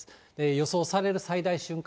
予想される最大瞬間